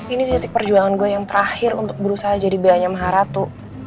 ini titik perjuangan gue yang terakhir untuk berusaha jadi beanya maharatu